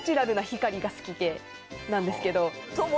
系なんですけど。